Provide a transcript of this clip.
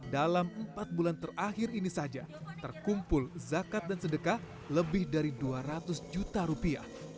dalam empat bulan terakhir ini saja terkumpul zakat dan sedekah lebih dari dua ratus juta rupiah